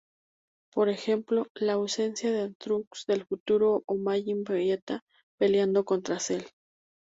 Por ejemplo, la ausencia de Trunks del futuro, o Majin Vegeta peleando contra Cell.